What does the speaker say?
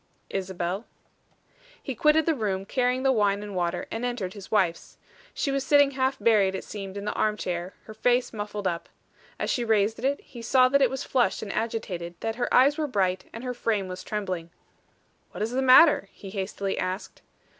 "Isabel." He quitted the room, carrying the wine and water, and entered his wife's. She was sitting half buried, it seemed, in the arm chair, her face muffled up. As she raised it, he saw that it was flushed and agitated; that her eyes were bright, and her frame was trembling. "What is the matter?" he hastily asked.